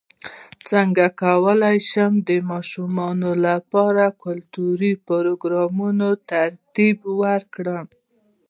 څنګه کولی شم د ماشومانو لپاره د کلتوري پروګرامونو ترتیب ورکړم